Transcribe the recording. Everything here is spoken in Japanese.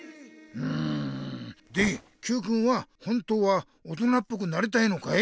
うんでＱくんは本当は大人っぽくなりたいのかい？